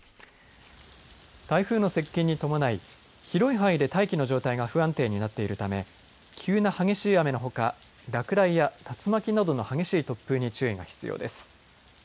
台風の接近に伴い広い範囲で大気の状態が不安定になってるため急な激しい雨のほか落雷や竜巻などの、激しい突風に注意が必要です。